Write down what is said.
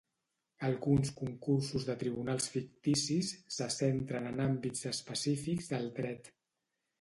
Alguns concursos de tribunals ficticis se centren en àmbits específics del dret.